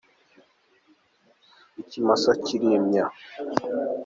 ikimasa kirimya.